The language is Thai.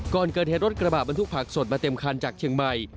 ก่อนเกิดเหตุรถกระบะบรรทุกผักสดมาเต็มคันจากเชียงใหม่